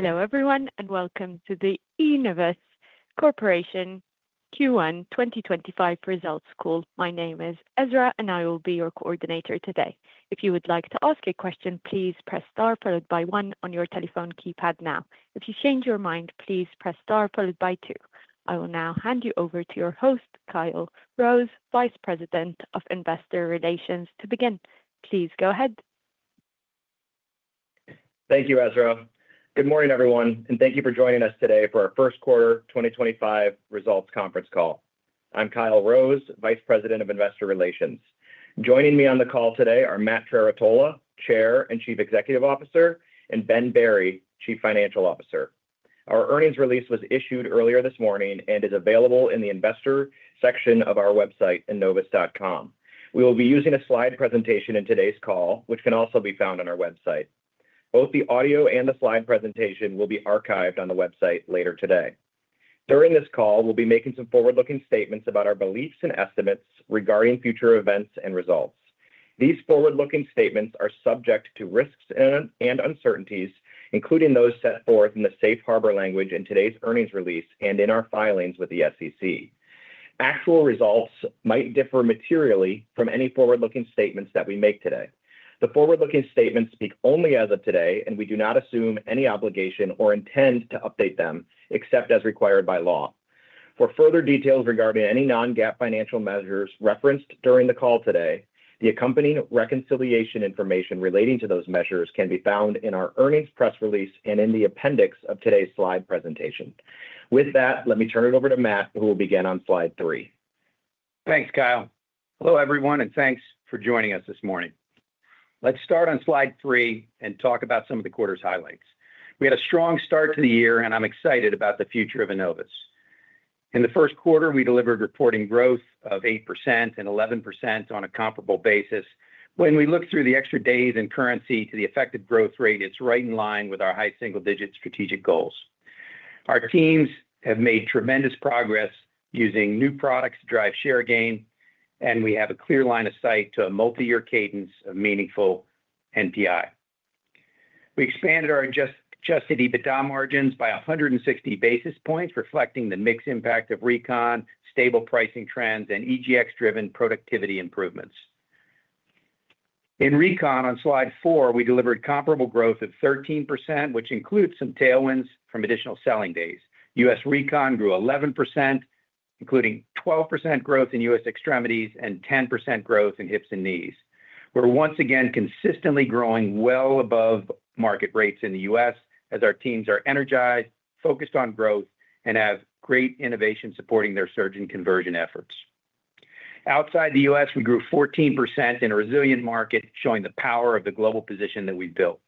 Hello everyone and welcome to the Enovis Corporation Q1 2025 Results Call. My name is Ezra and I will be your coordinator today. If you would like to ask a question, please press star followed by one on your telephone keypad now. If you change your mind, please press star followed by two. I will now hand you over to your host, Kyle Rose, Vice President of Investor Relations, to begin. Please go ahead. Thank you, Ezra. Good morning everyone and thank you for joining us today for our first quarter 2025 results conference call. I'm Kyle Rose, Vice President of Investor Relations. Joining me on the call today are Matt Trerotola, Chair and Chief Executive Officer, and Ben Berry, Chief Financial Officer. Our earnings release was issued earlier this morning and is available in the investor section of our website at enovis.com. We will be using a slide presentation in today's call, which can also be found on our website. Both the audio and the slide presentation will be archived on the website later today. During this call, we'll be making some forward-looking statements about our beliefs and estimates regarding future events and results. These forward-looking statements are subject to risks and uncertainties, including those set forth in the safe harbor language in today's earnings release and in our filings with the SEC. Actual results might differ materially from any forward-looking statements that we make today. The forward-looking statements speak only as of today, and we do not assume any obligation or intend to update them except as required by law. For further details regarding any non-GAAP financial measures referenced during the call today, the accompanying reconciliation information relating to those measures can be found in our earnings press release and in the appendix of today's slide presentation. With that, let me turn it over to Matt, who will begin on slide three. Thanks, Kyle. Hello everyone and thanks for joining us this morning. Let's start on slide three and talk about some of the quarter's highlights. We had a strong start to the year and I'm excited about the future of Enovis. In the first quarter, we delivered reported growth of 8% and 11% on a comparable basis. When we look through the extra days and currency to the effective growth rate, it's right in line with our high single-digit strategic goals. Our teams have made tremendous progress using new products to drive share gain, and we have a clear line of sight to a multi-year cadence of meaningful NPI. We expanded our adjusted EBITDA margins by 160 basis points, reflecting the mixed impact of recon, stable pricing trends, and EGX-driven productivity improvements. In recon, on slide four, we delivered comparable growth of 13%, which includes some tailwinds from additional selling days. U.S. recon grew 11%, including 12% growth in U.S. extremities and 10% growth in hips and knees. We're once again consistently growing well above market rates in the U.S., as our teams are energized, focused on growth, and have great innovation supporting their surge in conversion efforts. Outside the U.S., we grew 14% in a resilient market, showing the power of the global position that we've built.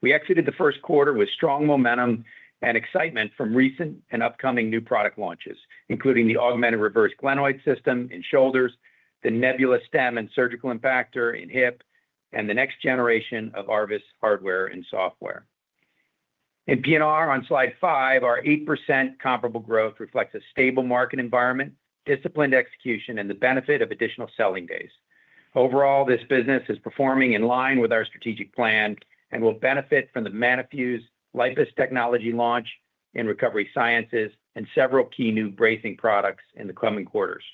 We exited the first quarter with strong momentum and excitement from recent and upcoming new product launches, including the augmented reverse glenoid system in shoulders, the Nebula stem and surgical impactor in hip, and the next generation of Arvis hardware and software. In PNR, on slide five, our 8% comparable growth reflects a stable market environment, disciplined execution, and the benefit of additional selling days. Overall, this business is performing in line with our strategic plan and will benefit from the Manafuse LIPUS technology launch in recovery sciences and several key new bracing products in the coming quarters.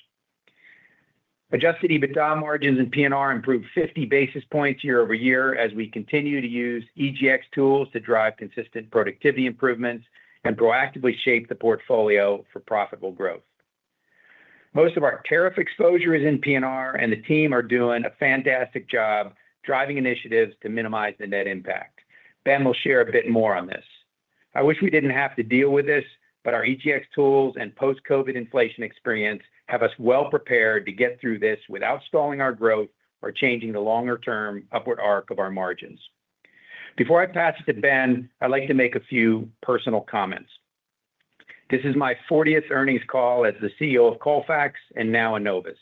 Adjusted EBITDA margins in PNR improved 50 basis points year over year as we continue to use EGX tools to drive consistent productivity improvements and proactively shape the portfolio for profitable growth. Most of our tariff exposure is in PNR, and the team are doing a fantastic job driving initiatives to minimize the net impact. Ben will share a bit more on this. I wish we did not have to deal with this, but our EGX tools and post-COVID inflation experience have us well prepared to get through this without stalling our growth or changing the longer-term upward arc of our margins. Before I pass it to Ben, I'd like to make a few personal comments. This is my 40th earnings call as the CEO of Colfax and now Enovis.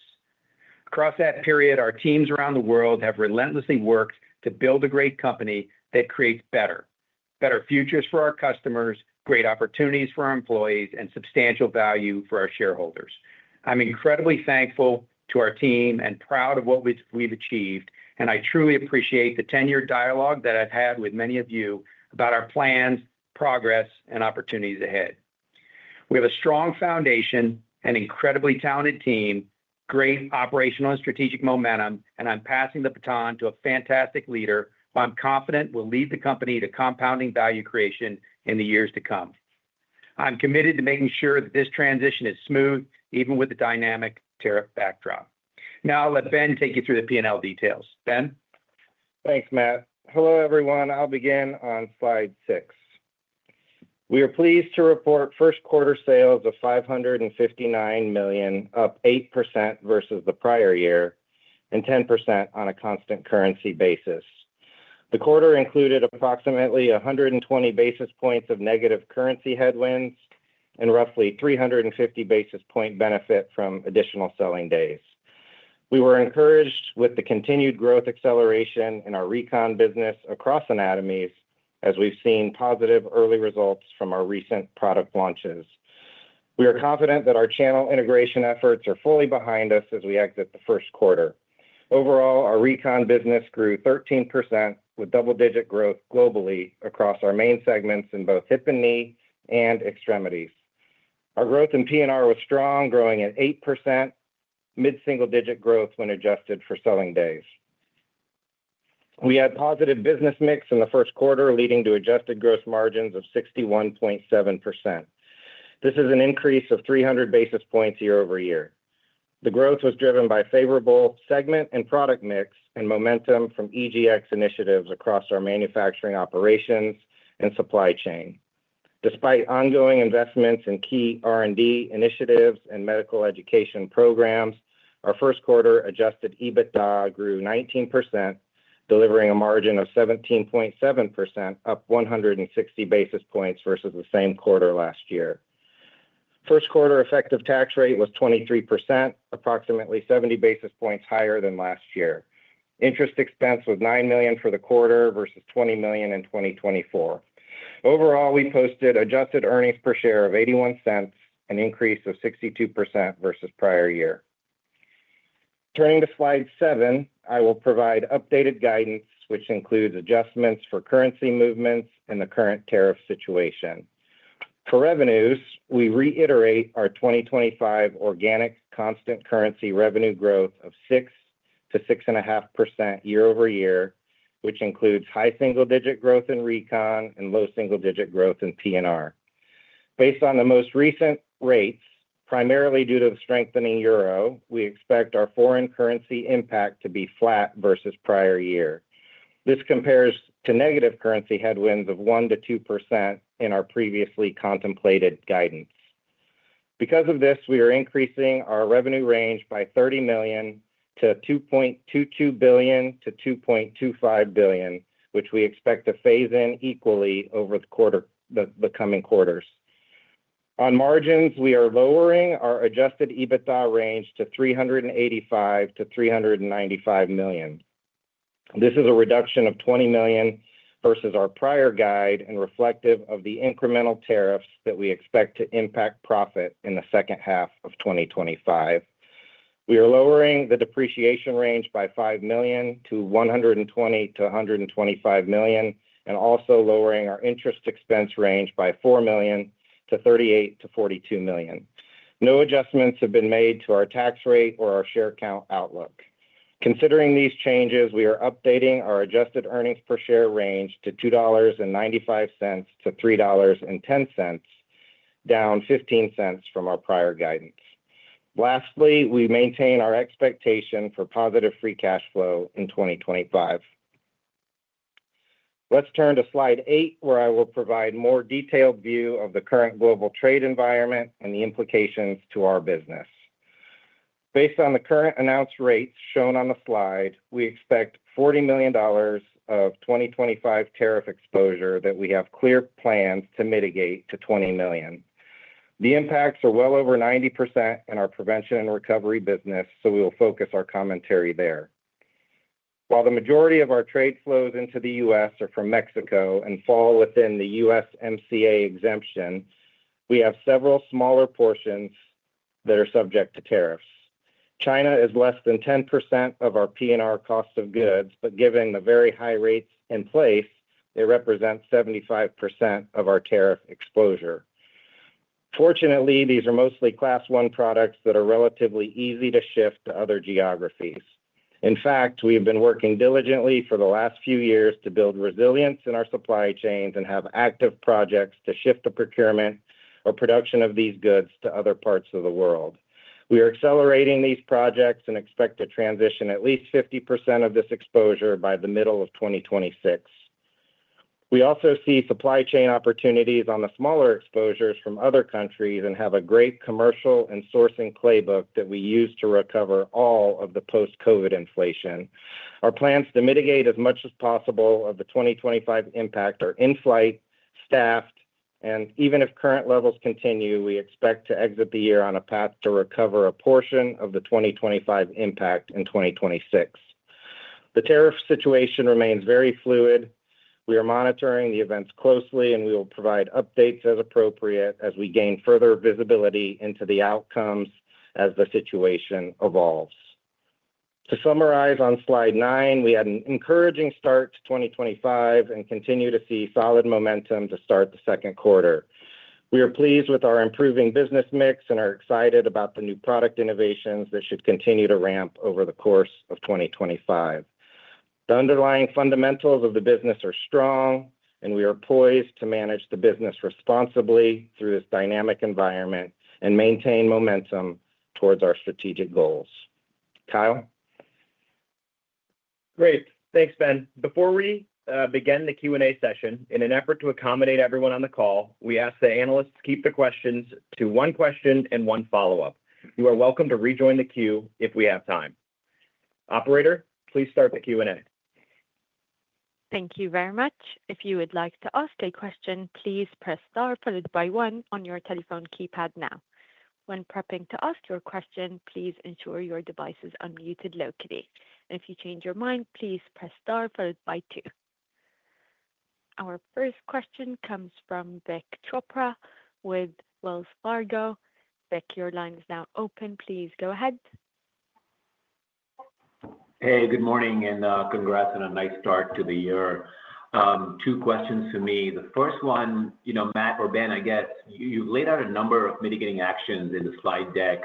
Across that period, our teams around the world have relentlessly worked to build a great company that creates better, better futures for our customers, great opportunities for our employees, and substantial value for our shareholders. I'm incredibly thankful to our team and proud of what we've achieved, and I truly appreciate the 10-year dialogue that I've had with many of you about our plans, progress, and opportunities ahead. We have a strong foundation, an incredibly talented team, great operational and strategic momentum, and I'm passing the baton to a fantastic leader who I'm confident will lead the company to compounding value creation in the years to come. I'm committed to making sure that this transition is smooth, even with the dynamic tariff backdrop. Now I'll let Ben take you through the P&L details. Ben. Thanks, Matt. Hello everyone. I'll begin on slide six. We are pleased to report first quarter sales of $559 million, up 8% versus the prior year and 10% on a constant currency basis. The quarter included approximately 120 basis points of negative currency headwinds and roughly 350 basis point benefit from additional selling days. We were encouraged with the continued growth acceleration in our recon business across anatomies as we've seen positive early results from our recent product launches. We are confident that our channel integration efforts are fully behind us as we exit the first quarter. Overall, our recon business grew 13% with double-digit growth globally across our main segments in both hip and knee and extremities. Our growth in PNR was strong, growing at 8%, mid-single-digit growth when adjusted for selling days. We had positive business mix in the first quarter, leading to adjusted gross margins of 61.7%. This is an increase of 300 basis points year-over-year. The growth was driven by favorable segment and product mix and momentum from EGX initiatives across our manufacturing operations and supply chain. Despite ongoing investments in key R&D initiatives and medical education programs, our first quarter adjusted EBITDA grew 19%, delivering a margin of 17.7%, up 160 basis points versus the same quarter last year. First quarter effective tax rate was 23%, approximately 70 basis points higher than last year. Interest expense was $9 million for the quarter versus $20 million in 2024. Overall, we posted adjusted earnings per share of $0.81, an increase of 62% versus prior year. Turning to slide seven, I will provide updated guidance, which includes adjustments for currency movements and the current tariff situation. For revenues, we reiterate our 2025 organic constant currency revenue growth of 6%-6.5% year over year, which includes high single-digit growth in recon and low single-digit growth in PNR. Based on the most recent rates, primarily due to the strengthening euro, we expect our foreign currency impact to be flat versus prior year. This compares to negative currency headwinds of 1%-2% in our previously contemplated guidance. Because of this, we are increasing our revenue range by $30 million to $2.22 billion-$2.25 billion, which we expect to phase in equally over the coming quarters. On margins, we are lowering our adjusted EBITDA range to $385 million-$395 million. This is a reduction of $20 million versus our prior guide and reflective of the incremental tariffs that we expect to impact profit in the second half of 2025. We are lowering the depreciation range by $5 million to $120 million-$125 million and also lowering our interest expense range by $4 million to $38 million-$42 million. No adjustments have been made to our tax rate or our share count outlook. Considering these changes, we are updating our adjusted earnings per share range to $2.95-$3.10, down $0.15 from our prior guidance. Lastly, we maintain our expectation for positive free cash flow in 2025. Let's turn to slide eight, where I will provide a more detailed view of the current global trade environment and the implications to our business. Based on the current announced rates shown on the slide, we expect $40 million of 2025 tariff exposure that we have clear plans to mitigate to $20 million. The impacts are well over 90% in our prevention and recovery business, so we will focus our commentary there. While the majority of our trade flows into the U.S. are from Mexico and fall within the USMCA exemption, we have several smaller portions that are subject to tariffs. China is less than 10% of our PNR cost of goods, but given the very high rates in place, it represents 75% of our tariff exposure. Fortunately, these are mostly class one products that are relatively easy to shift to other geographies. In fact, we have been working diligently for the last few years to build resilience in our supply chains and have active projects to shift the procurement or production of these goods to other parts of the world. We are accelerating these projects and expect to transition at least 50% of this exposure by the middle of 2026. We also see supply chain opportunities on the smaller exposures from other countries and have a great commercial and sourcing playbook that we use to recover all of the post-COVID inflation. Our plans to mitigate as much as possible of the 2025 impact are in flight, staffed, and even if current levels continue, we expect to exit the year on a path to recover a portion of the 2025 impact in 2026. The tariff situation remains very fluid. We are monitoring the events closely, and we will provide updates as appropriate as we gain further visibility into the outcomes as the situation evolves. To summarize on slide nine, we had an encouraging start to 2025 and continue to see solid momentum to start the second quarter. We are pleased with our improving business mix and are excited about the new product innovations that should continue to ramp over the course of 2025. The underlying fundamentals of the business are strong, and we are poised to manage the business responsibly through this dynamic environment and maintain momentum towards our strategic goals. Kyle. Great. Thanks, Ben. Before we begin the Q&A session, in an effort to accommodate everyone on the call, we ask the analysts to keep the questions to one question and one follow-up. You are welcome to rejoin the queue if we have time. Operator, please start the Q&A. Thank you very much. If you would like to ask a question, please press star followed by one on your telephone keypad now. When prepping to ask your question, please ensure your device is unmuted locally. If you change your mind, please press star followed by two. Our first question comes from Vic Chopra with Wells Fargo. Vic, your line is now open. Please go ahead. Hey, good morning and congrats on a nice start to the year. Two questions for me. The first one, you know, Matt or Ben, I guess you've laid out a number of mitigating actions in the slide deck.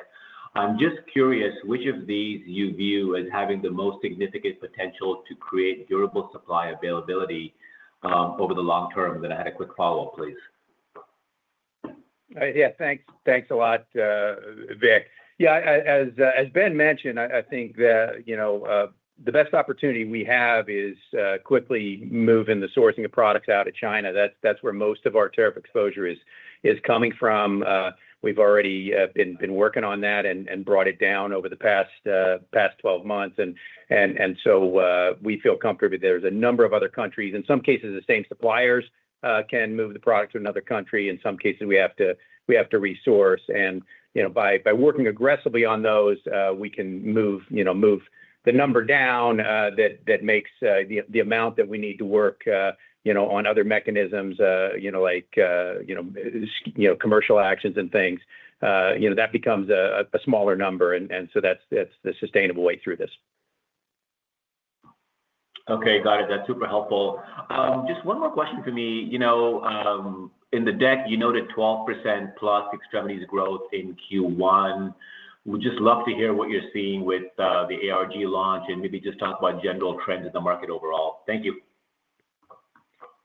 I'm just curious which of these you view as having the most significant potential to create durable supply availability over the long term. Then I had a quick follow-up, please. All right. Yeah, thanks. Thanks a lot, Vic. Yeah, as Ben mentioned, I think the best opportunity we have is to quickly move in the sourcing of products out of China. That is where most of our tariff exposure is coming from. We have already been working on that and brought it down over the past 12 months. We feel comfortable that there are a number of other countries. In some cases, the same suppliers can move the product to another country. In some cases, we have to resource. By working aggressively on those, we can move the number down that makes the amount that we need to work on other mechanisms like commercial actions and things. That becomes a smaller number. That is the sustainable way through this. Okay, got it. That's super helpful. Just one more question for me. In the deck, you noted 12%+ extremities growth in Q1. We'd just love to hear what you're seeing with the ARG launch and maybe just talk about general trends in the market overall. Thank you.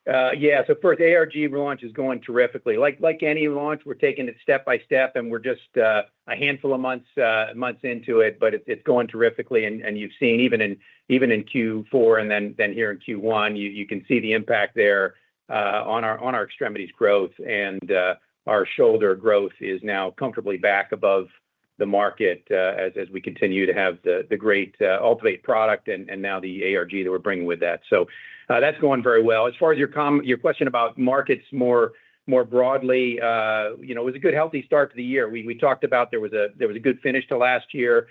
Yeah, so first, ARG launch is going terrifically. Like any launch, we're taking it step by step, and we're just a handful of months into it, but it's going terrifically. You have seen even in Q4 and then here in Q1, you can see the impact there on our extremities growth. Our shoulder growth is now comfortably back above the market as we continue to have the great Ultimate product and now the ARG that we're bringing with that. That is going very well. As far as your question about markets more broadly, it was a good healthy start to the year. We talked about there was a good finish to last year.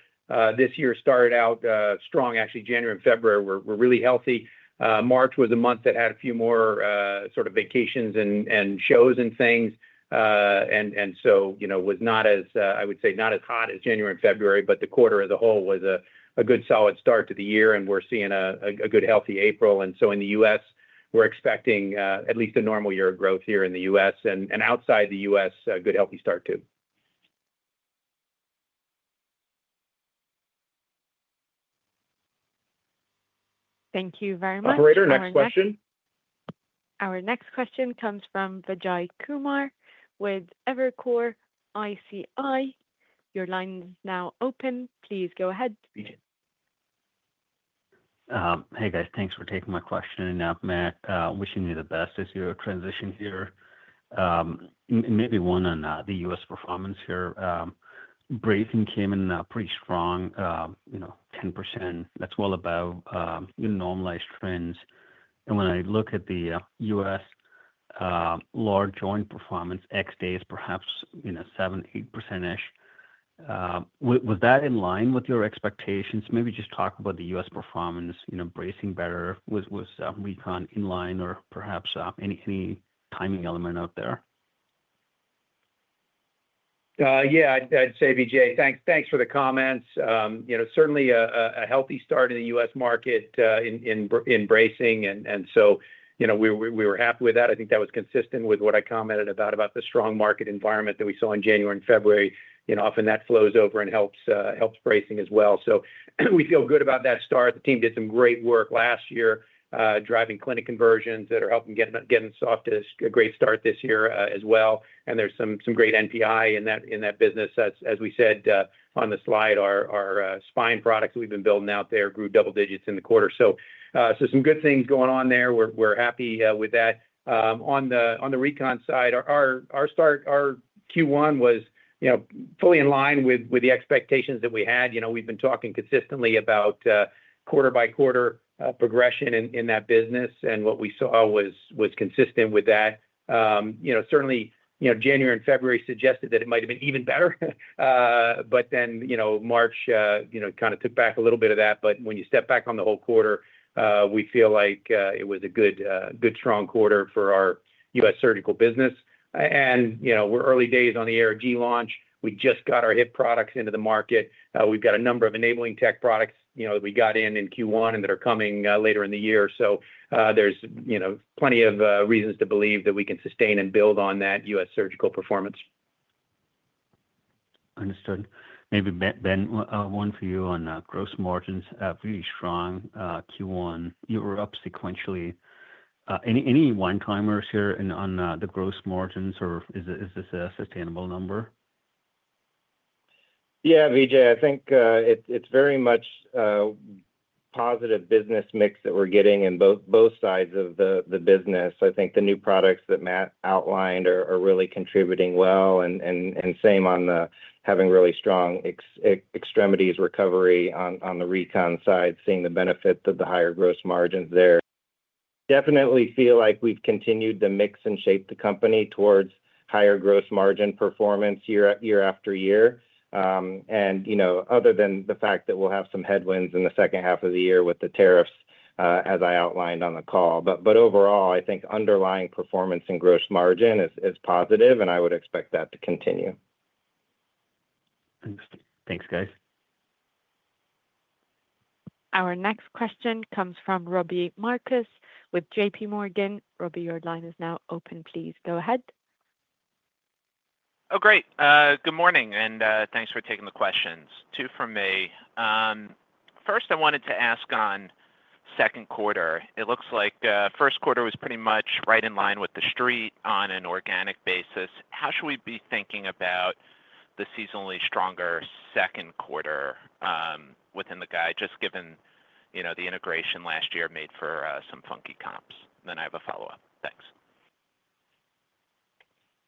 This year started out strong, actually, January and February were really healthy. March was a month that had a few more sort of vacations and shows and things. It was not as, I would say, not as hot as January and February, but the quarter as a whole was a good solid start to the year. We are seeing a good healthy April. In the U.S., we are expecting at least a normal year of growth here in the U.S., and outside the U.S., a good healthy start too. Thank you very much. Operator, next question. Our next question comes from Vijay Kumar with Evercore ISI. Your line is now open. Please go ahead. Hey, guys, thanks for taking my question. Matt, wishing you the best as you transition here. Maybe one on the US performance here. Bracing came in pretty strong, 10%. That's well above normalized trends. And when I look at the U.S. large joint performance, X days perhaps 7%, 8%-ish. Was that in line with your expectations? Maybe just talk about the U.S. performance, bracing better with recon in line or perhaps any timing element out there. Yeah, I'd say, Vijay, thanks for the comments. Certainly a healthy start in the U.S. market in bracing. We were happy with that. I think that was consistent with what I commented about the strong market environment that we saw in January and February. Often that flows over and helps bracing as well. We feel good about that start. The team did some great work last year driving clinic conversions that are helping get them off to a great start this year as well. There is some great NPI in that business. As we said on the slide, our spine products that we've been building out there grew double digits in the quarter. Some good things going on there. We're happy with that. On the recon side, our Q1 was fully in line with the expectations that we had. We've been talking consistently about quarter-by-quarter progression in that business. What we saw was consistent with that. Certainly, January and February suggested that it might have been even better. March kind of took back a little bit of that. When you step back on the whole quarter, we feel like it was a good, strong quarter for our U.S. surgical business. We're early days on the ARG launch. We just got our hip products into the market. We've got a number of enabling tech products that we got in Q1 and that are coming later in the year. There's plenty of reasons to believe that we can sustain and build on that U.S. surgical performance. Understood. Maybe Ben, one for you on gross margins, pretty strong Q1. You were up sequentially. Any one-timers here on the gross margins or is this a sustainable number? Yeah, Vijay, I think it's very much positive business mix that we're getting in both sides of the business. I think the new products that Matt outlined are really contributing well. Same on the having really strong extremities recovery on the recon side, seeing the benefit of the higher gross margins there. Definitely feel like we've continued to mix and shape the company towards higher gross margin performance year after year. Other than the fact that we'll have some headwinds in the second half of the year with the tariffs, as I outlined on the call. Overall, I think underlying performance and gross margin is positive, and I would expect that to continue. Thanks, guys. Our next question comes from Robbie Marcus with JP Morgan. Robbie, your line is now open. Please go ahead. Oh, great. Good morning, and thanks for taking the questions. Two for me. First, I wanted to ask on second quarter. It looks like first quarter was pretty much right in line with the street on an organic basis. How should we be thinking about the seasonally stronger second quarter within the guide, just given the integration last year made for some funky comps? Then I have a follow-up. Thanks.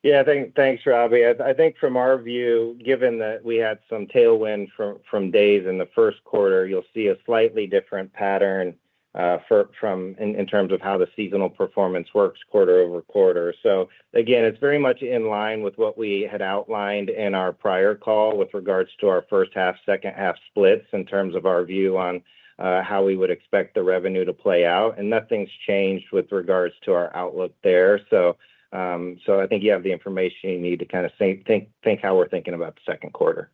Yeah, thanks, Robbie. I think from our view, given that we had some tailwind from days in the first quarter, you'll see a slightly different pattern in terms of how the seasonal performance works quarter over quarter. It is very much in line with what we had outlined in our prior call with regards to our first half, second half splits in terms of our view on how we would expect the revenue to play out. Nothing's changed with regards to our outlook there. I think you have the information you need to kind of think how we're thinking about the second quarter.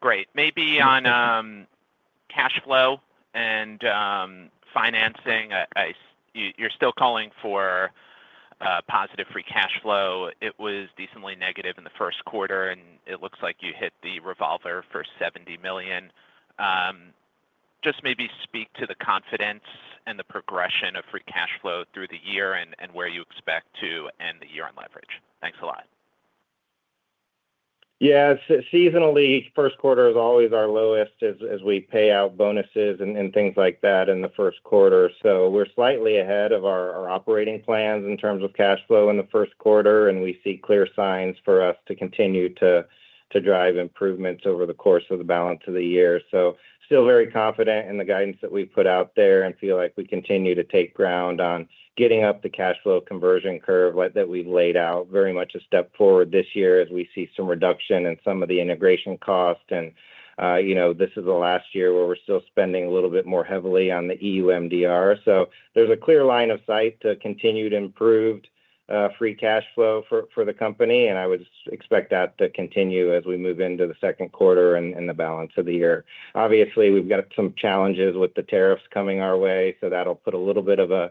Great. Maybe on cash flow and financing, you're still calling for positive free cash flow. It was decently negative in the first quarter, and it looks like you hit the revolver for $70 million. Just maybe speak to the confidence and the progression of free cash flow through the year and where you expect to end the year on leverage. Thanks a lot. Yeah, seasonally, first quarter is always our lowest as we pay out bonuses and things like that in the first quarter. We're slightly ahead of our operating plans in terms of cash flow in the first quarter, and we see clear signs for us to continue to drive improvements over the course of the balance of the year. Still very confident in the guidance that we've put out there and feel like we continue to take ground on getting up the cash flow conversion curve that we've laid out. Very much a step forward this year as we see some reduction in some of the integration costs. This is the last year where we're still spending a little bit more heavily on the EUMDR. There's a clear line of sight to continue to improve free cash flow for the company. I would expect that to continue as we move into the second quarter and the balance of the year. Obviously, we've got some challenges with the tariffs coming our way. That'll put a little bit of a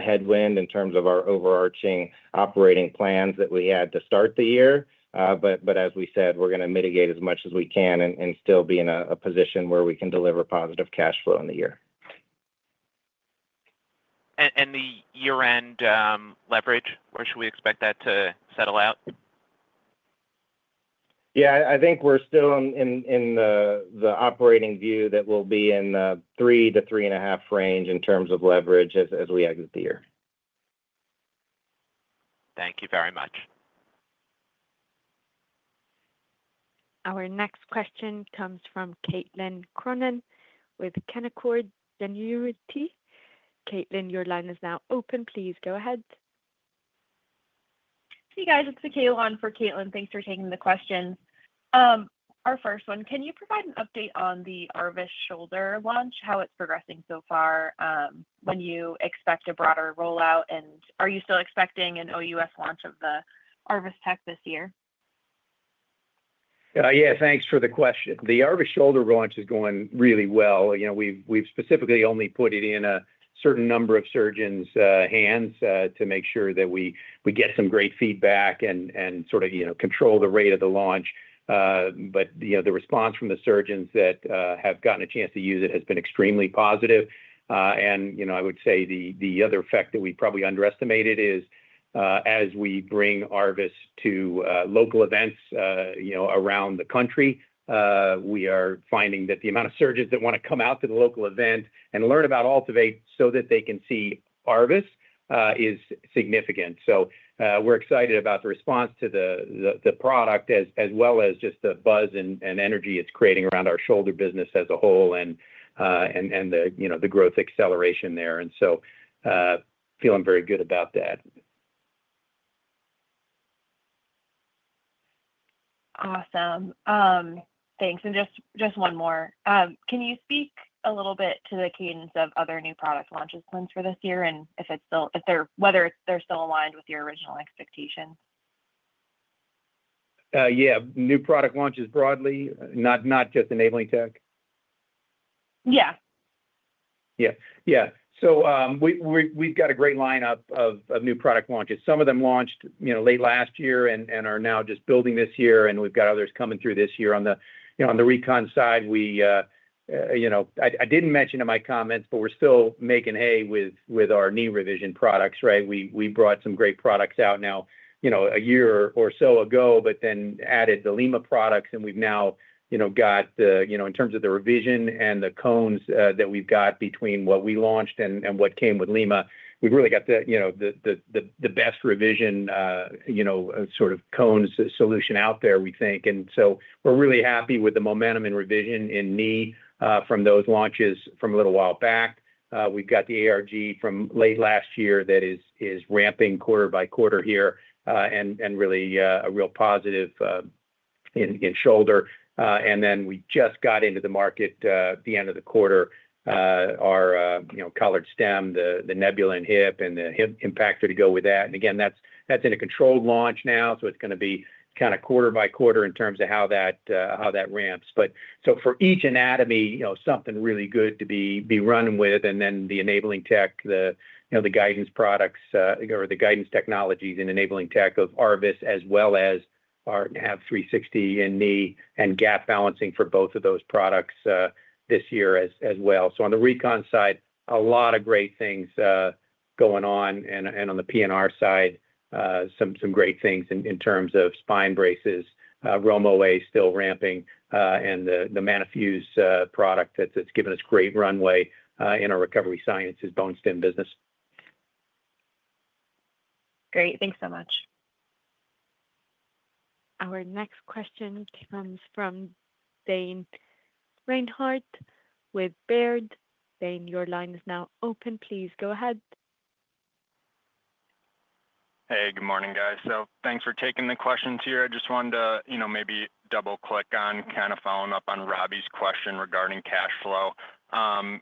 headwind in terms of our overarching operating plans that we had to start the year. As we said, we're going to mitigate as much as we can and still be in a position where we can deliver positive cash flow in the year. Where should we expect the year-end leverage to settle out? Yeah, I think we're still in the operating view that we'll be in the 3-3.5 range in terms of leverage as we exit the year. Thank you very much. Our next question comes from Caitlin Cronin with Canaccord Genuity. Caitlin, your line is now open. Please go ahead. Hey, guys, it's [Michaela] on for Caitlin. Thanks for taking the questions. Our first one, can you provide an update on the Arvis shoulder launch, how it's progressing so far, when you expect a broader rollout? Are you still expecting an OUS launch of the Arvis tech this year? Yeah, thanks for the question. The Arvis shoulder launch is going really well. We've specifically only put it in a certain number of surgeons' hands to make sure that we get some great feedback and sort of control the rate of the launch. The response from the surgeons that have gotten a chance to use it has been extremely positive. I would say the other effect that we probably underestimated is as we bring Arvis to local events around the country, we are finding that the amount of surgeons that want to come out to the local event and learn about AltiVate so that they can see Arvis is significant. We are excited about the response to the product as well as just the buzz and energy it's creating around our shoulder business as a whole and the growth acceleration there. We are feeling very good about that. Awesome. Thanks. Just one more. Can you speak a little bit to the cadence of other new product launches for this year and whether they're still aligned with your original expectations? Yeah, new product launches broadly, not just enabling tech? Yeah. Yeah. Yeah. We've got a great lineup of new product launches. Some of them launched late last year and are now just building this year. We've got others coming through this year. On the recon side, I didn't mention in my comments, but we're still making hay with our knee revision products, right? We brought some great products out now a year or so ago, but then added the Lima products. We've now got, in terms of the revision and the cones that we've got between what we launched and what came with Lima, we've really got the best revision sort of cones solution out there, we think. We're really happy with the momentum and revision in knee from those launches from a little while back. We've got the ARG from late last year that is ramping quarter-by-quarter here and really a real positive in shoulder. We just got into the market at the end of the quarter, our colored stem, the Nebula in hip and the hip impactor to go with that. Again, that's in a controlled launch now. It is going to be kind of quarter-by-quarter in terms of how that ramps. For each anatomy, something really good to be run with. The enabling tech, the guidance products or the guidance technologies and enabling tech of Arvis as well as our HAB 360 in knee and gap balancing for both of those products this year as well. On the recon side, a lot of great things going on. On the PNR side, some great things in terms of spine braces, Romo A still ramping, and the Manafuse product that's given us great runway in our recovery sciences bone stem business. Great. Thanks so much. Our next question comes from Dane Reinhardt with Baird. Dane, your line is now open. Please go ahead. Hey, good morning, guys. Thanks for taking the questions here. I just wanted to maybe double-click on kind of following up on Robbie's question regarding cash flow.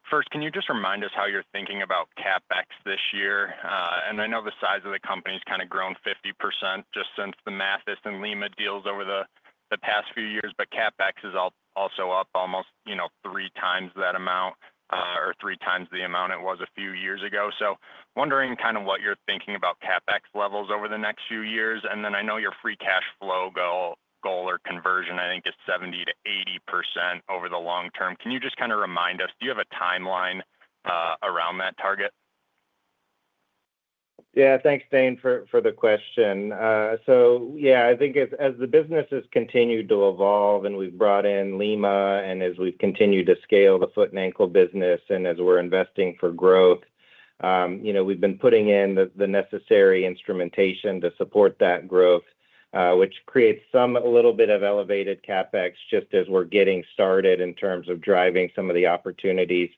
First, can you just remind us how you're thinking about CapEx this year? I know the size of the company has kind of grown 50% just since the Mathys and Lima deals over the past few years. CapEx is also up almost 3x that amount or 3x the amount it was a few years ago. Wondering kind of what you're thinking about CapEx levels over the next few years. I know your free cash flow goal or conversion, I think, is 70%-80% over the long term. Can you just kind of remind us, do you have a timeline around that target? Yeah, thanks, Dane, for the question. Yeah, I think as the business has continued to evolve and we've brought in Lima and as we've continued to scale the foot and ankle business and as we're investing for growth, we've been putting in the necessary instrumentation to support that growth, which creates a little bit of elevated CapEx just as we're getting started in terms of driving some of the opportunities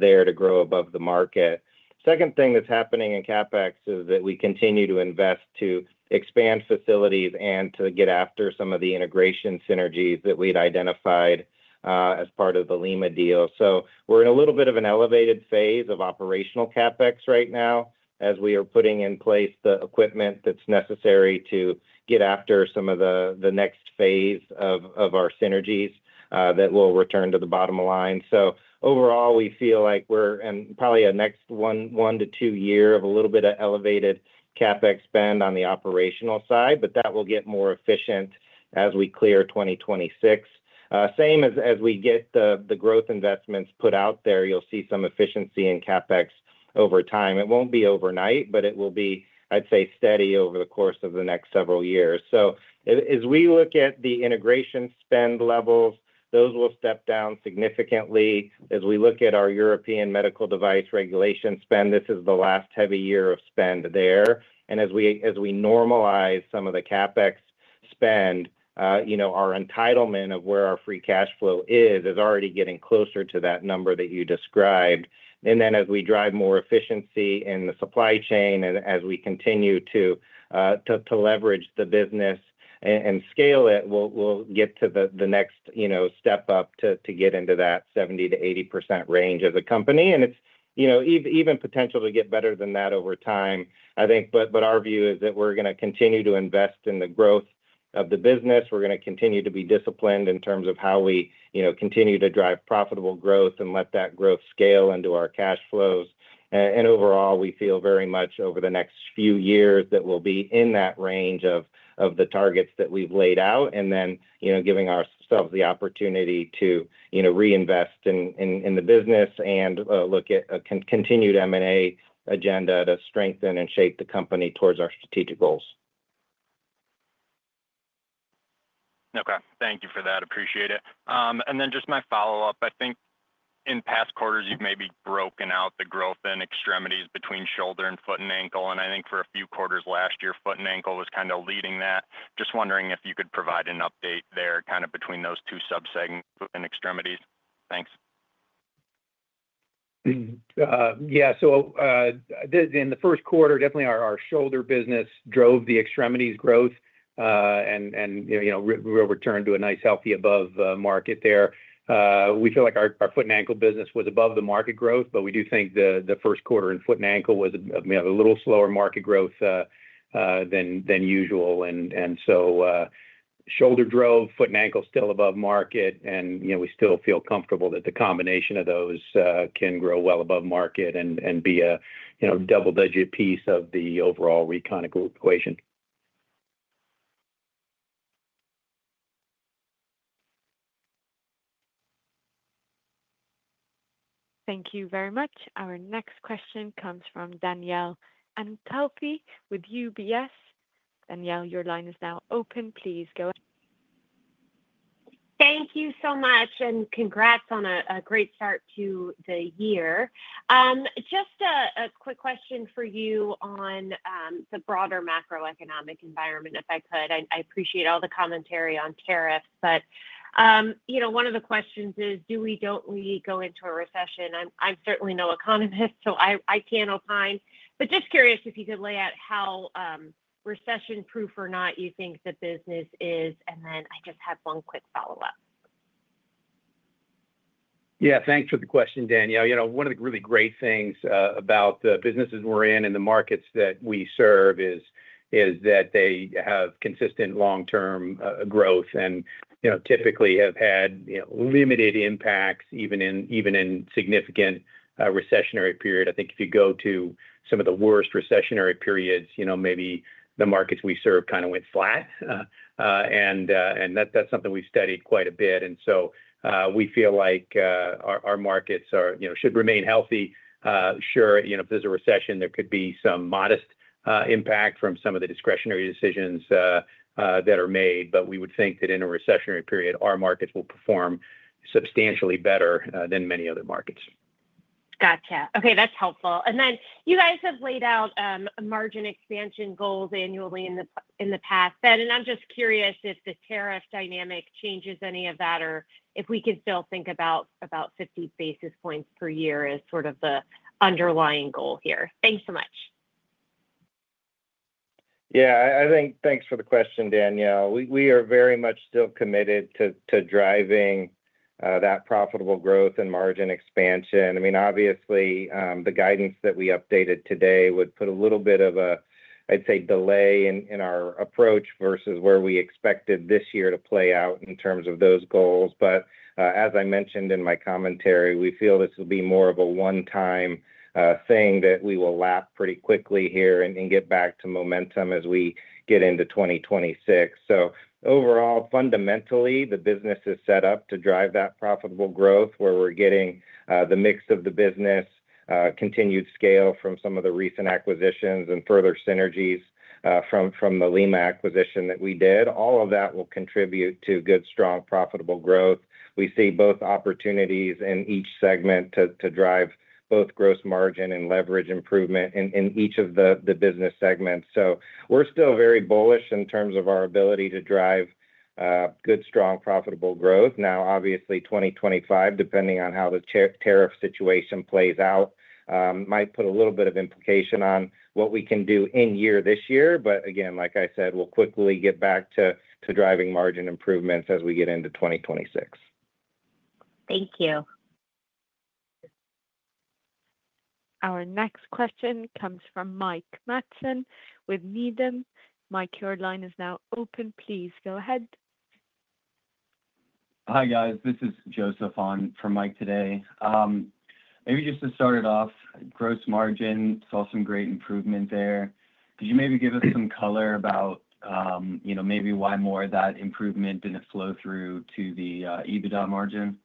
there to grow above the market. The second thing that's happening in CapEx is that we continue to invest to expand facilities and to get after some of the integration synergies that we'd identified as part of the Lima deal. We're in a little bit of an elevated phase of operational CapEx right now as we are putting in place the equipment that's necessary to get after some of the next phase of our synergies that will return to the bottom line. Overall, we feel like we're in probably a next one to two year of a little bit of elevated CapEx spend on the operational side, but that will get more efficient as we clear 2026. As we get the growth investments put out there, you'll see some efficiency in CapEx over time. It won't be overnight, but it will be, I'd say, steady over the course of the next several years. As we look at the integration spend levels, those will step down significantly. As we look at our European medical device regulation spend, this is the last heavy year of spend there. As we normalize some of the CapEx spend, our entitlement of where our free cash flow is is already getting closer to that number that you described. As we drive more efficiency in the supply chain and as we continue to leverage the business and scale it, we'll get to the next step up to get into that 70-80% range as a company. It is even potential to get better than that over time, I think. Our view is that we're going to continue to invest in the growth of the business. We're going to continue to be disciplined in terms of how we continue to drive profitable growth and let that growth scale into our cash flows. Overall, we feel very much over the next few years that we'll be in that range of the targets that we've laid out and then giving ourselves the opportunity to reinvest in the business and look at a continued M&A agenda to strengthen and shape the company towards our strategic goals. Okay. Thank you for that. Appreciate it. And then just my follow-up. I think in past quarters, you've maybe broken out the growth in extremities between shoulder and foot and ankle. And I think for a few quarters last year, foot and ankle was kind of leading that. Just wondering if you could provide an update there kind of between those two subsegments and extremities. Thanks. Yeah. In the first quarter, definitely our shoulder business drove the extremities growth and we returned to a nice healthy above market there. We feel like our foot and ankle business was above the market growth, but we do think the first quarter in foot and ankle was a little slower market growth than usual. Shoulder drove, foot and ankle still above market, and we still feel comfortable that the combination of those can grow well above market and be a double-digit piece of the overall recon equation. Thank you very much. Our next question comes from Danielle Antalffy with UBS. Danielle, your line is now open. Please go ahead. Thank you so much. Congrats on a great start to the year. Just a quick question for you on the broader macroeconomic environment, if I could. I appreciate all the commentary on tariffs, but one of the questions is, do we, don't we go into a recession? I'm certainly no economist, so I can't opine. Just curious if you could lay out how recession-proof or not you think the business is. I just have one quick follow-up. Yeah. Thanks for the question, Danielle. One of the really great things about the businesses we're in and the markets that we serve is that they have consistent long-term growth and typically have had limited impacts even in significant recessionary periods. I think if you go to some of the worst recessionary periods, maybe the markets we serve kind of went flat. That's something we've studied quite a bit. We feel like our markets should remain healthy. Sure, if there's a recession, there could be some modest impact from some of the discretionary decisions that are made. We would think that in a recessionary period, our markets will perform substantially better than many other markets. Gotcha. Okay. That's helpful. You guys have laid out margin expansion goals annually in the past. I'm just curious if the tariff dynamic changes any of that or if we can still think about about 50 basis points per year as sort of the underlying goal here. Thanks so much. Yeah. I think thanks for the question, Danielle. We are very much still committed to driving that profitable growth and margin expansion. I mean, obviously, the guidance that we updated today would put a little bit of a, I'd say, delay in our approach versus where we expected this year to play out in terms of those goals. As I mentioned in my commentary, we feel this will be more of a one-time thing that we will lap pretty quickly here and get back to momentum as we get into 2026. Overall, fundamentally, the business is set up to drive that profitable growth where we're getting the mix of the business, continued scale from some of the recent acquisitions and further synergies from the Lima acquisition that we did. All of that will contribute to good, strong, profitable growth. We see both opportunities in each segment to drive both gross margin and leverage improvement in each of the business segments. We are still very bullish in terms of our ability to drive good, strong, profitable growth. Now, obviously, 2025, depending on how the tariff situation plays out, might put a little bit of implication on what we can do in year this year. Again, like I said, we will quickly get back to driving margin improvements as we get into 2026. Thank you. Our next question comes from Mike Matson with Needham. Mike, your line is now open. Please go ahead. Hi, guys. This is Joseph on for Mike today. Maybe just to start it off, gross margin, saw some great improvement there. Could you maybe give us some color about maybe why more of that improvement did not flow through to the EBITDA margin?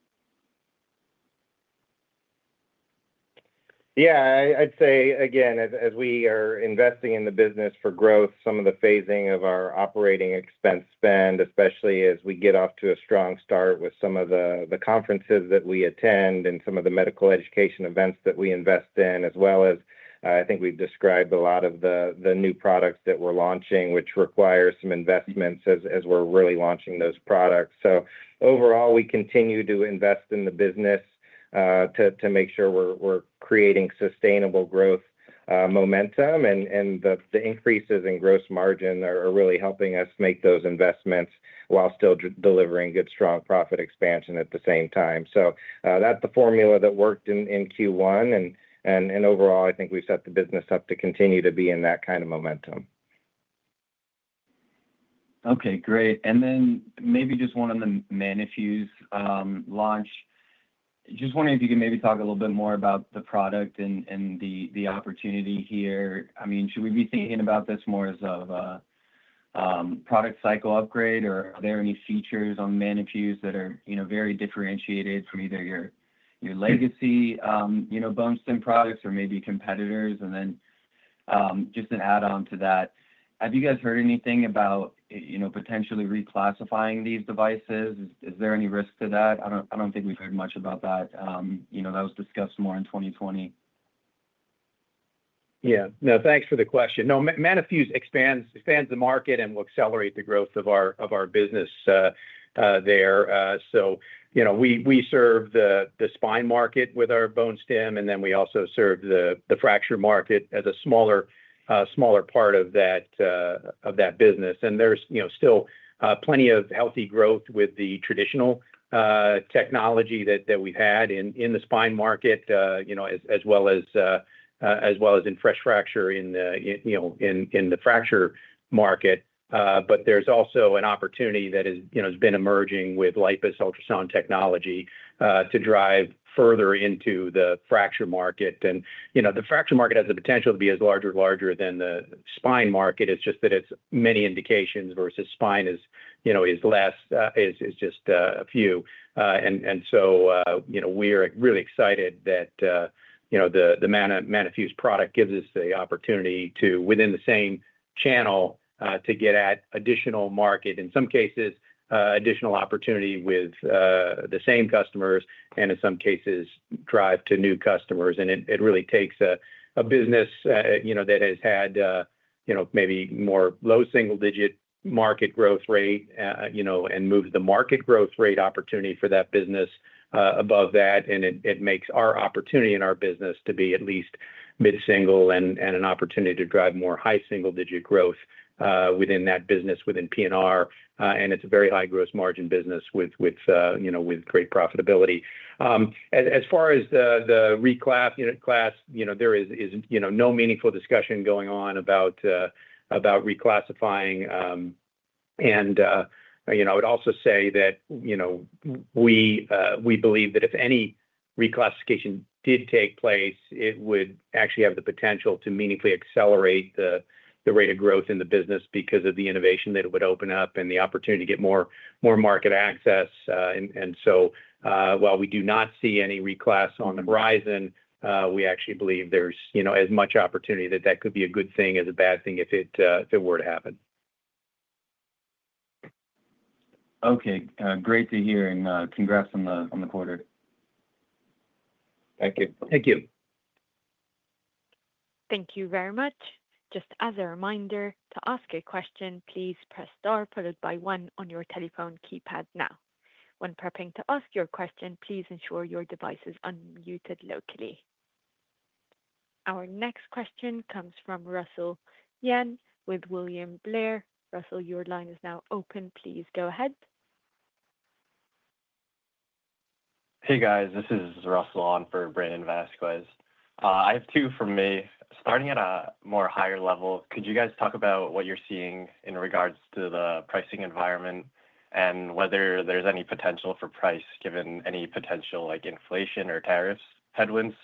Yeah. I'd say, again, as we are investing in the business for growth, some of the phasing of our operating expense spend, especially as we get off to a strong start with some of the conferences that we attend and some of the medical education events that we invest in, as well as I think we've described a lot of the new products that we're launching, which require some investments as we're really launching those products. Overall, we continue to invest in the business to make sure we're creating sustainable growth momentum. The increases in gross margin are really helping us make those investments while still delivering good, strong profit expansion at the same time. That's the formula that worked in Q1. Overall, I think we've set the business up to continue to be in that kind of momentum. Okay. Great. Maybe just one on the Manafuse launch. Just wondering if you could maybe talk a little bit more about the product and the opportunity here. I mean, should we be thinking about this more as a product cycle upgrade, or are there any features on Manafuse that are very differentiated from either your legacy bone stem products or maybe competitors? Just an add-on to that, have you guys heard anything about potentially reclassifying these devices? Is there any risk to that? I do not think we have heard much about that. That was discussed more in 2020. Yeah. No, thanks for the question. No, Manafuse expands the market and will accelerate the growth of our business there. We serve the spine market with our bone stem, and then we also serve the fracture market as a smaller part of that business. There's still plenty of healthy growth with the traditional technology that we've had in the spine market as well as in fresh fracture in the fracture market. There's also an opportunity that has been emerging with LIPUS ultrasound technology to drive further into the fracture market. The fracture market has the potential to be as large or larger than the spine market. It's just that it's many indications versus spine is less, is just a few. We are really excited that the Manafuse product gives us the opportunity to, within the same channel, get at additional market, in some cases, additional opportunity with the same customers, and in some cases, drive to new customers. It really takes a business that has had maybe more low single-digit market growth rate and moves the market growth rate opportunity for that business above that. It makes our opportunity in our business to be at least mid-single and an opportunity to drive more high single-digit growth within that business within PNR. It is a very high gross margin business with great profitability. As far as the reclass, there is no meaningful discussion going on about reclassifying. I would also say that we believe that if any reclassification did take place, it would actually have the potential to meaningfully accelerate the rate of growth in the business because of the innovation that it would open up and the opportunity to get more market access. While we do not see any reclass on the horizon, we actually believe there's as much opportunity that that could be a good thing as a bad thing if it were to happen. Okay. Great to hear. Congrats on the quarter. Thank you. Thank you. Thank you very much. Just as a reminder, to ask a question, please press star followed by one on your telephone keypad now. When prepping to ask your question, please ensure your device is unmuted locally. Our next question comes from Russell Yuen with William Blair. Russell, your line is now open. Please go ahead. Hey, guys. This is Russell on for Brandon Vasquez. I have two for me. Starting at a more higher level, could you guys talk about what you're seeing in regards to the pricing environment and whether there's any potential for price given any potential inflation or tariffs headwinds?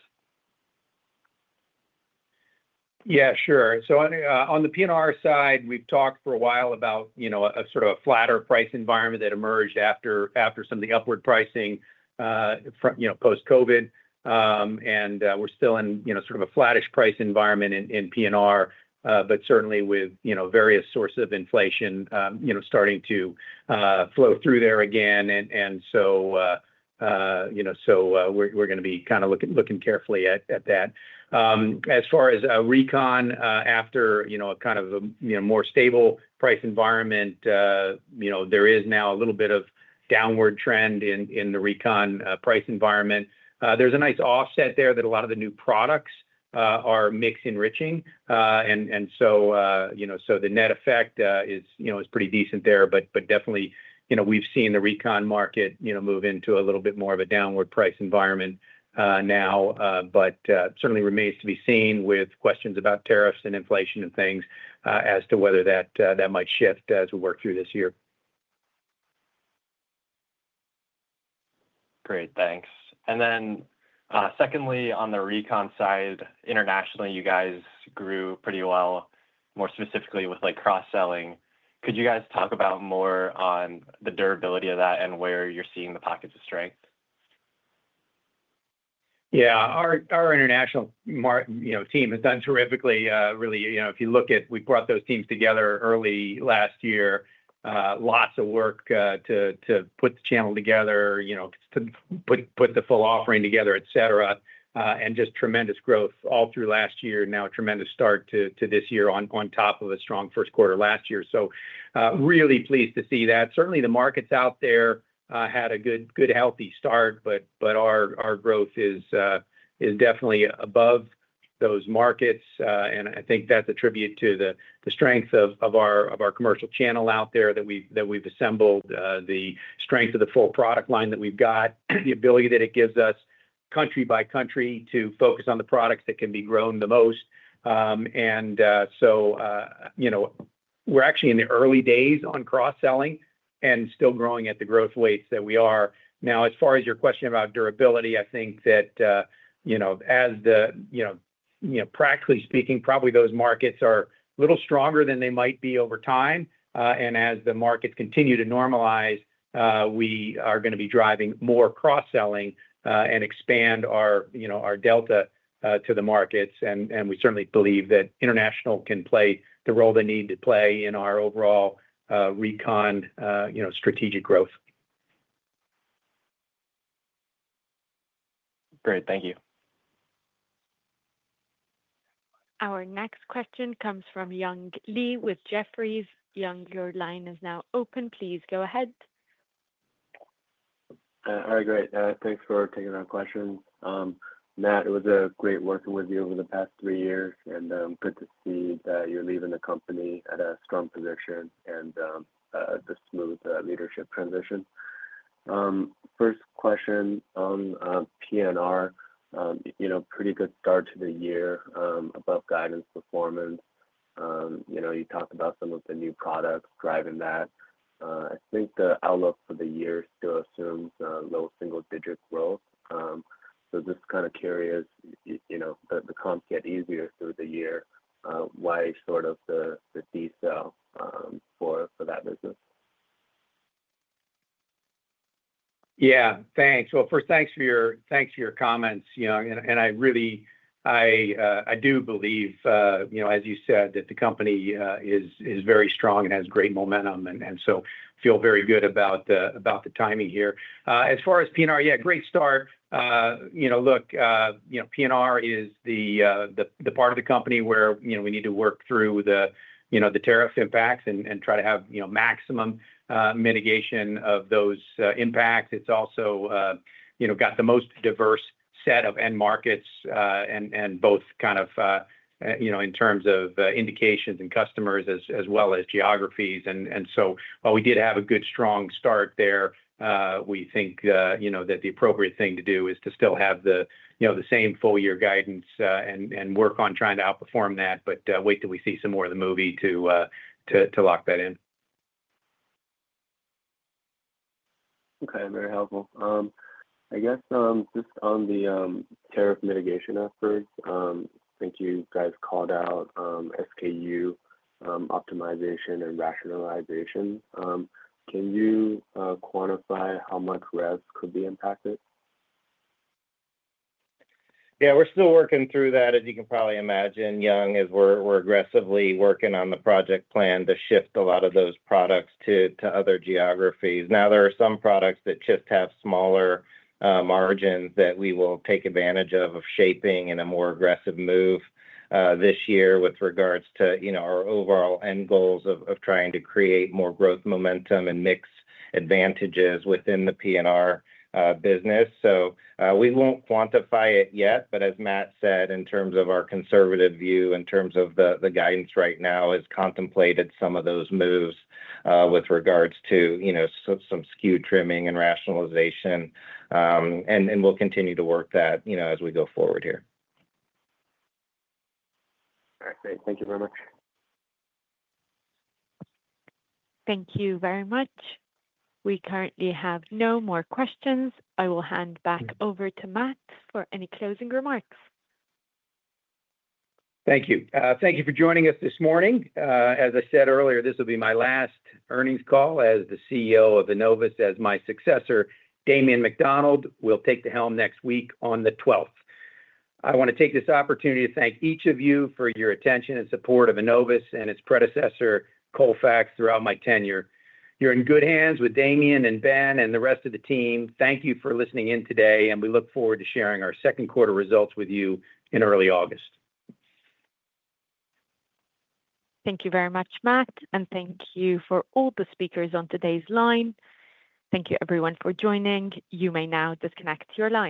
Yeah, sure. On the PNR side, we've talked for a while about a sort of a flatter price environment that emerged after some of the upward pricing post-COVID. We're still in sort of a flattish price environment in PNR, but certainly with various sources of inflation starting to flow through there again. We're going to be kind of looking carefully at that. As far as recon, after a kind of a more stable price environment, there is now a little bit of downward trend in the recon price environment. There's a nice offset there that a lot of the new products are mix enriching. The net effect is pretty decent there. Definitely, we've seen the recon market move into a little bit more of a downward price environment now, but certainly remains to be seen with questions about tariffs and inflation and things as to whether that might shift as we work through this year. Great. Thanks. Then secondly, on the recon side, internationally, you guys grew pretty well, more specifically with cross-selling. Could you guys talk about more on the durability of that and where you're seeing the pockets of strength? Yeah. Our international team has done terrifically. Really, if you look at, we brought those teams together early last year, lots of work to put the channel together, to put the full offering together, etc., and just tremendous growth all through last year, now a tremendous start to this year on top of a strong first quarter last year. Really pleased to see that. Certainly, the markets out there had a good, healthy start, but our growth is definitely above those markets. I think that's a tribute to the strength of our commercial channel out there that we've assembled, the strength of the full product line that we've got, the ability that it gives us country by country to focus on the products that can be grown the most. We are actually in the early days on cross-selling and still growing at the growth rates that we are. As far as your question about durability, I think that, practically speaking, probably those markets are a little stronger than they might be over time. As the markets continue to normalize, we are going to be driving more cross-selling and expand our delta to the markets. We certainly believe that international can play the role they need to play in our overall recon strategic growth. Great. Thank you. Our next question comes from Young Li with Jefferies. Young, your line is now open. Please go ahead. All right. Great. Thanks for taking our questions. Matt, it was great working with you over the past three years, and good to see that you're leaving the company at a strong position and a smooth leadership transition. First question on PNR, pretty good start to the year above guidance performance. You talked about some of the new products driving that. I think the outlook for the year still assumes low single-digit growth. Just kind of curious, the comps get easier through the year. Why sort of the decel for that business? Yeah. Thanks. First, thanks for your comments. I really do believe, as you said, that the company is very strong and has great momentum. I feel very good about the timing here. As far as PNR, yeah, great start. Look, PNR is the part of the company where we need to work through the tariff impacts and try to have maximum mitigation of those impacts. It has also got the most diverse set of end markets and both kind of in terms of indications and customers as well as geographies. While we did have a good strong start there, we think that the appropriate thing to do is to still have the same full-year guidance and work on trying to outperform that, but wait till we see some more of the movie to lock that in. Okay. Very helpful. I guess just on the tariff mitigation efforts, I think you guys called out SKU optimization and rationalization. Can you quantify how much Revs could be impacted? Yeah. We're still working through that, as you can probably imagine, Young, as we're aggressively working on the project plan to shift a lot of those products to other geographies. Now, there are some products that just have smaller margins that we will take advantage of shaping in a more aggressive move this year with regards to our overall end goals of trying to create more growth momentum and mixed advantages within the PNR business. We won't quantify it yet, but as Matt said, in terms of our conservative view, in terms of the guidance right now, has contemplated some of those moves with regards to some SKU trimming and rationalization. We'll continue to work that as we go forward here. All right. Great. Thank you very much. Thank you very much. We currently have no more questions. I will hand back over to Matt for any closing remarks. Thank you. Thank you for joining us this morning. As I said earlier, this will be my last earnings call as the CEO of Enovis, as my successor, Damien McDonald, will take the helm next week on the 12th. I want to take this opportunity to thank each of you for your attention and support of Enovis and its predecessor, Colfax, throughout my tenure. You're in good hands with Damien and Ben and the rest of the team. Thank you for listening in today, and we look forward to sharing our second quarter results with you in early August. Thank you very much, Matt. Thank you for all the speakers on today's line. Thank you, everyone, for joining. You may now disconnect your line.